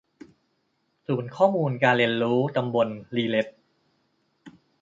ศูนย์ข้อมูลการเรียนรู้ตำบลลีเล็ด